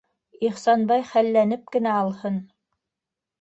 Ихсанбай хәлләнеп кенә алһын...